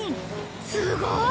すごーい！